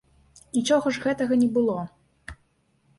Нічога ж гэтага не было.